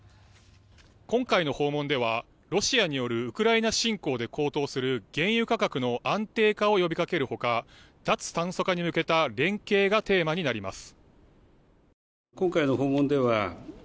今回の訪問ではロシアによるウクライナ侵攻で高騰する原油価格の安定化を呼びかける他脱炭素化に向けた連携がテーマになります。